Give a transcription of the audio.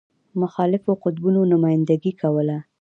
مخالفو قطبونو نمایندګي کوله.